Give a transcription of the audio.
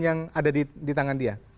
yang ada di tangan dia